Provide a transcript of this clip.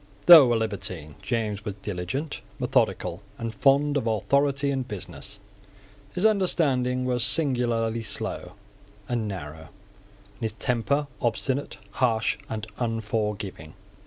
Though a libertine, James was diligent, methodical, and fond of authority and business. His understanding was singularly slow and narrow, and his temper obstinate, harsh, and unforgiving.